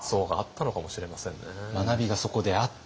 学びがそこであって。